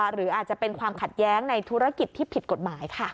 หรืออาจจะเป็นความขัดแย้งในธุรกิจที่ผิดกฎหมายค่ะ